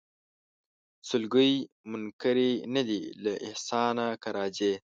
سلګۍ منکري نه دي له احسانه که راځې